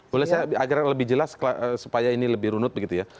boleh saya agar lebih jelas supaya ini lebih runut begitu ya